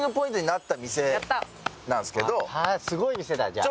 すごい店だじゃあ。